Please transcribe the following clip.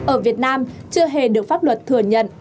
ở việt nam chưa hề được pháp luật thừa nhận